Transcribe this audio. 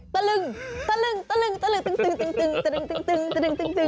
ตะลึงตะลึงตาง